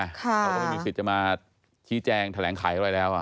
เขาก็ไม่มีสิทธิ์จะมาชี้แจงแถลงไขอะไรแล้ว